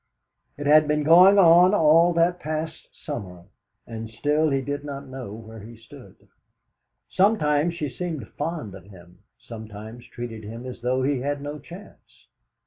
It had been going on all that past summer, and still he did not know where he stood. Sometimes she seemed fond of him, sometimes treated him as though he had no chance.